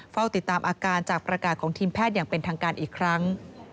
เฝ้าติดตามอาการจากประกาศของทีมแพทย์อย่างเป็นทางการอีกครั้ง